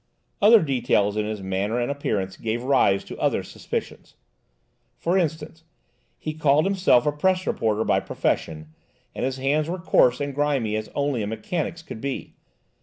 Other details in his manner and appearance gave rise to other suspicions. For instance, he called himself a press reporter by profession, and his hands were coarse and grimy as only a mechanic's could be.